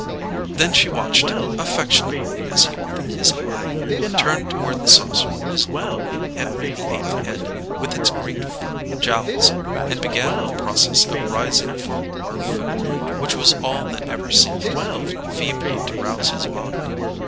Then she watched him affectionately as he opened his eye, turned toward the saucer his noble Henry the Eighth head with its great furred jowls, and began the process of rising for more food, which was all that ever seemed even feebly to rouse his mind.